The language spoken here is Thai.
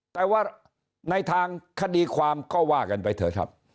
แต่ว่าในทางคดีความก็ว่ากันไปเถอะครับ